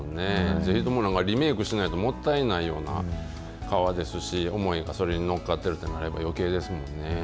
ぜひともリメイクしないともったいないような革ですし、思いがそれに乗っかってると思えばよけいですもんね。